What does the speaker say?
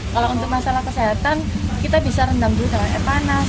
kalau untuk masalah kesehatan kita bisa rendam dulu dengan air panas